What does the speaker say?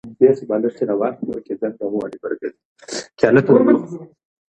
فنلنډ د نړۍ تر ټولو خوشحاله هېواد ګڼل شوی دی.